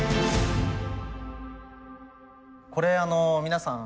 これ皆さん